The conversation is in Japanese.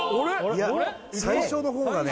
いや最初の方がね